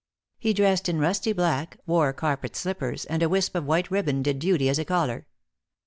He dressed in rusty black, wore carpet slippers, and a wisp of white ribbon did duty as a collar.